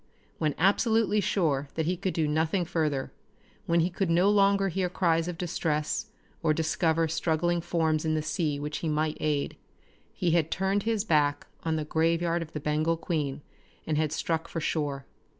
When absolutely sure that he could do nothing further, when he could no longer hear cries of distress, or discover struggling forms in the sea which he might aid, he had turned his back on the graveyard of the Bengal Queen and had struck for shore.